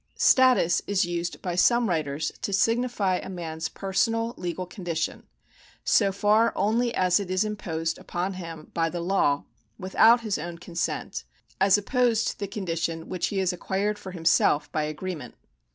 Status is used by some writers to signify a man's personal legal condition, so far only as it is imposed upon him by the law without his own con sent, as opposed to the condition which he has acquired for himself by agreement.